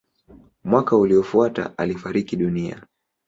Mwaka uliofuata alifariki dunia.